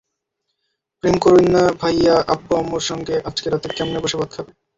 প্রেম করুইন্না ভাইয়া আব্বু-আম্মুর সঙ্গে আজকে রাতে কেমনে বসে ভাত খাবে।